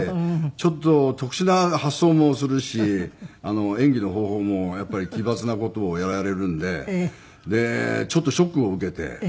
ちょっと特殊な発想もするし演技の方法もやっぱり奇抜な事をやられるんでちょっとショックを受けて。